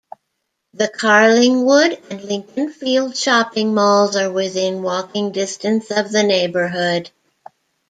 The Carlingwood and Lincoln Fields shopping malls are within walking distance of the neighbourhood.